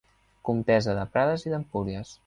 Comtessa de Prades i d'Empúries.